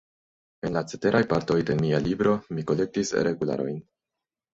En la ceteraj partoj de mia libro mi kolektis regularojn.